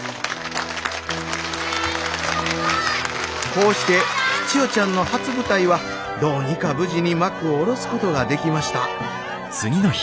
こうして千代ちゃんの初舞台はどうにか無事に幕を下ろすことができました。